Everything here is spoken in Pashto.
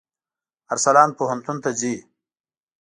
ارسلان پوهنتون ته ځي.